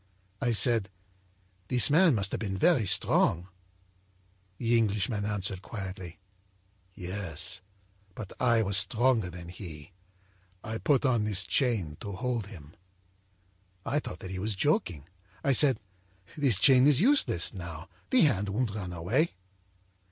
âI said: â'This man must have been very strong.' âThe Englishman answered quietly: â'Yes, but I was stronger than he. I put on this chain to hold him.' âI thought that he was joking. I said: â'This chain is useless now, the hand won't run away.'